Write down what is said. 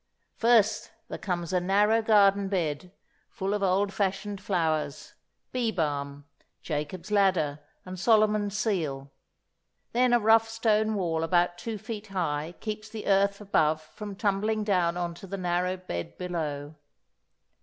First there comes a narrow garden bed, full of old fashioned flowers—Bee balm, Jacob's Ladder, and Solomon's Seal; then a rough stone wall about two feet high keeps the earth above from tumbling down on to the narrow bed below.